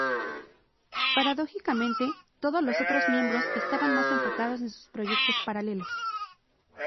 Paradójicamente, todos los otros miembros estaban más enfocados en sus proyectos paralelos.